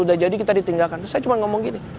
udah jadi kita ditinggalkan terus saya cuma ngomong gini